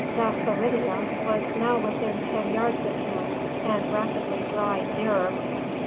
The felidea was now within ten yards of him and rapidly drawing nearer.